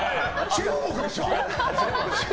中国でしょ。